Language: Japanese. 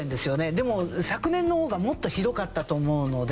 でも昨年の方がもっとひどかったと思うので。